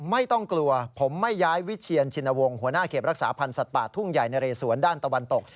ไม่ต้องกลัวผมไม่ย้ายวิเชียนชินวงศ์หัวหน้าเขตรักษาพันธ์สัตว์ป่าทุ่งใหญ่นะเรสวนด้านตะวันตก